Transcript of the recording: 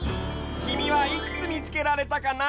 きみはいくつみつけられたかな？